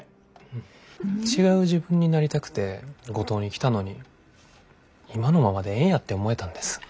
違う自分になりたくて五島に来たのに今のままでええんやって思えたんです。